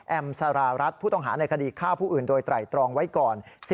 สารารัฐผู้ต้องหาในคดีฆ่าผู้อื่นโดยไตรตรองไว้ก่อน